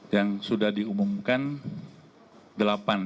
yang sudah diumumkan